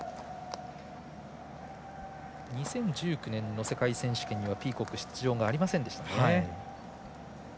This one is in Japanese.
２０１９年の世界選手権にはピーコック出場がありませんでした。